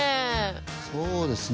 そうですね。